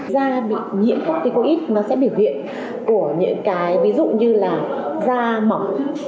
da bị nhiễm corticoid nó sẽ biểu hiện của những cái ví dụ như là da mỏng